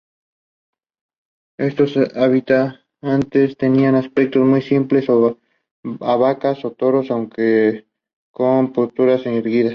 Estos habitantes tenían aspectos muy similares a vacas o toros, aunque con posturas erguidas.